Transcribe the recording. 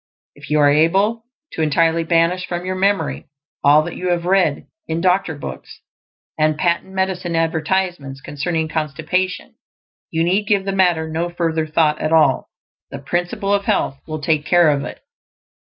If you are able to entirely banish from your memory all that you have read in "doctor books" and patent medicine advertisements concerning constipation, you need give the matter no further thought at all. The Principle of Health will take care of it.